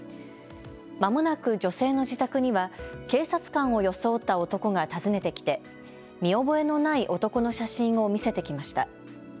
まもなく、女性の自宅には警察官を装った男が訪ねてきて見覚えのない男の写真を見せてきました。